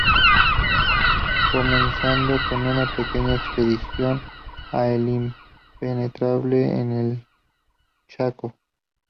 Comenzando con una pequeña expedición a El Impenetrable en el Chaco.